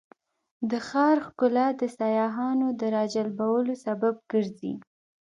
د ښار ښکلا د سیاحانو د راجلبولو سبب ګرځي.